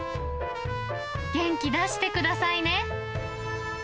元気出してくださいね。